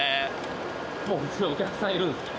もう普通にお客さんいるんですね。